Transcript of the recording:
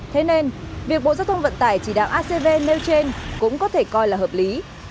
thế nên việc bộ giao thông vận tải chỉ đạo acv nêu trên cũng có thể coi là hợp lý